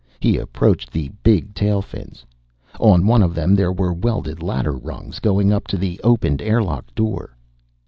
He approached the big tail fins. On one of them there were welded ladder rungs going up to the opened air lock door.